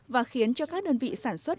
và khiến cho các đơn vị sản xuất